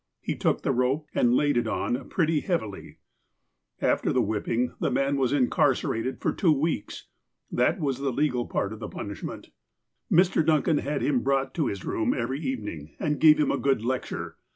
He took the rope, and laid it on pretty heavily. After the whipping, the man was incarcerated for two weeks. That was the legal part of the punishment. Mr. Duncan had him brought to his room every even ing, and gave him a good lecture.